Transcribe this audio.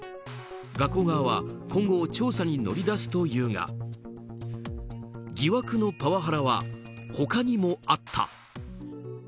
学校側は今後、調査に乗り出すというが疑惑のパワハラは他にもあった。